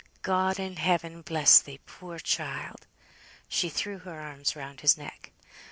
God in heaven bless thee, poor child!" She threw her arms round his neck.